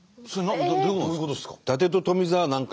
どういうことですか？